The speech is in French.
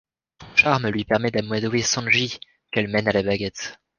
Son charme lui permet d'amadouer Sanji, qu'elle mène à la baguette.